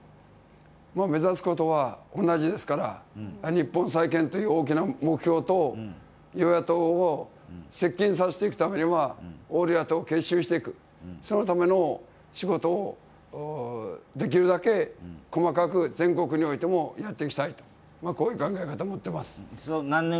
目指すことは同じですから日本再建という大きな目標と与野党を接近させていくためには、オール野党を結集させていく、そのための仕事をできるだけ細かく全国においてもやっていきたいと、こういう考え方、持ってます。